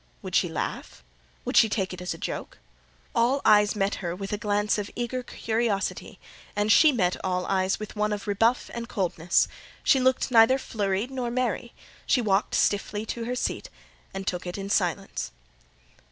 Would she laugh? Would she take it as a joke? All eyes met her with a glance of eager curiosity, and she met all eyes with one of rebuff and coldness; she looked neither flurried nor merry: she walked stiffly to her seat, and took it in silence.